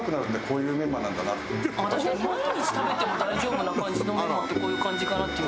毎日食べても大丈夫な感じのメンマってこういう感じかなっていう。